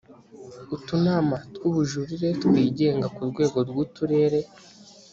utunama tw ubujurire twigenga ku rwego rw uturere